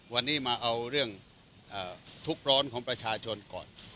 วันนี้มาเอาเรื่องทุกข์ร้อนของประชาชนก่อน